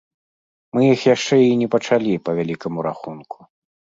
Мы іх яшчэ і не пачалі, па вялікаму рахунку!